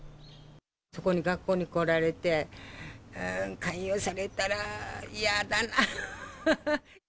ここの学校に来られて、勧誘されたら嫌だな。